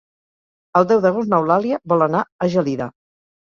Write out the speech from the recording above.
El deu d'agost n'Eulàlia vol anar a Gelida.